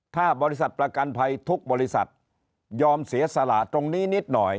ถ้าบริษัทประกันภัยทุกบริษัทยอมเสียสละตรงนี้นิดหน่อย